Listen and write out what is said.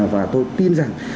và tôi tin rằng